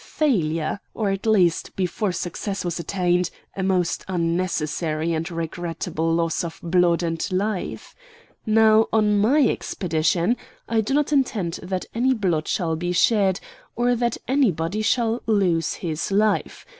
Failure, or at least, before success was attained, a most unnecessary and regrettable loss of blood and life. Now, on my expedition, I do not intend that any blood shall be shed, or that anybody shall lose his life.